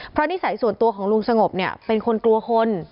เพราะนิสัยส่วนตัวของลุงสงบเนี่ยเป็นคนกลัวคน